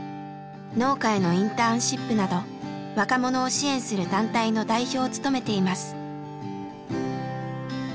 農家へのインターンシップなど若者を支援する団体の代表を務めています。